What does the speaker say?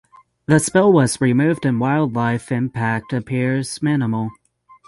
The spill was removed and wildlife impact appears minimal.